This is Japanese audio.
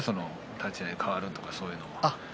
立ち合い変わるとかそういうのを。